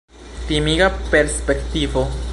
Timiga perspektivo!